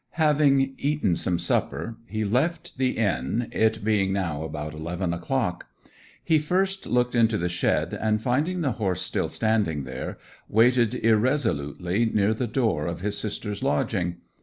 Having eaten some supper, he left the inn, it being now about eleven o'clock. He first looked into the shed, and, finding the horse still standing there, waited irresolutely near the door of his sister's lodging.